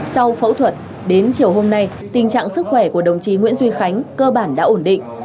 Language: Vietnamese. sau phẫu thuật đến chiều hôm nay tình trạng sức khỏe của đồng chí nguyễn duy khánh cơ bản đã ổn định